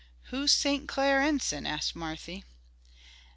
"Who's St. Clar Enson?" asked Marthy.